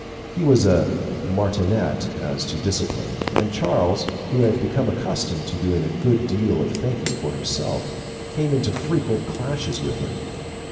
He was a martinet as to discipline, and Charles, who had become accustomed to doing a good deal of thinking for himself, came into frequent clashes with him.